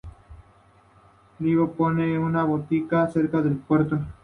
En Livorno pone una botica cerca del puerto.